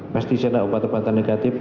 mestisena obat obatan negatif